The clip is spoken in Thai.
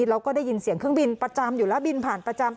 แล้วก็ได้ยินเสียงเครื่องบินประจำอยู่แล้วบินผ่านประจำ